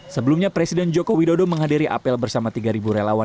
sebelumnya presiden joko widodo menghadiri apel bersama tiga relawan